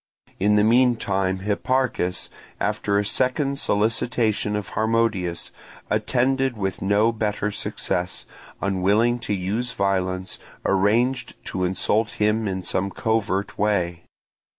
In the meantime Hipparchus, after a second solicitation of Harmodius, attended with no better success, unwilling to use violence, arranged to insult him in some covert way.